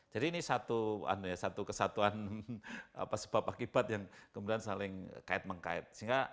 jadi ini satu kesatuan sebab akibat yang kemudian saling kait mengkait